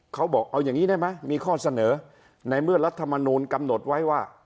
เขาบอกเอาอย่างนี้ได้ไหมมีข้อเสนอในเมื่อรัฐมนูลกำหนดไว้ว่า